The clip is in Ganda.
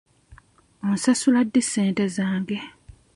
Onsasula ddi ssente zange?